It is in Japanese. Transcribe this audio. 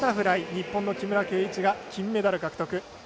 日本の木村敬一が金メダル獲得。